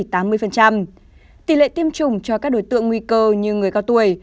tỷ lệ tiêm chủng cho các đối tượng nguy cơ như người cao tuổi